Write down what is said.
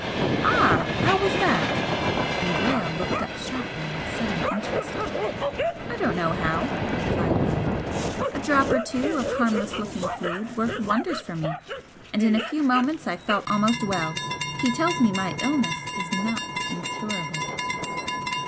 "Ah! How was that?" and Brayle looked up sharply with sudden interest. "I don't know how," replied Harland, "A drop or two of harmless looking fluid worked wonders for me and in a few moments I felt almost well. He tells me my illness is not incurable."